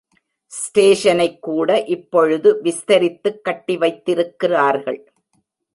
ஸ்டேஷனைக்கூட இப்பொழுது விஸ்தரித்துக் கட்டி வைத்திருக்கிறார்கள்.